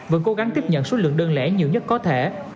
vẫn cố gắng tiếp nhận số lượng đơn lẻ nhiều nhất có thể